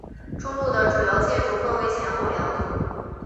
中路的主要建筑分前后两组。